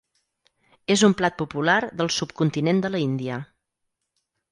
És un plat popular del subcontinent de la Índia.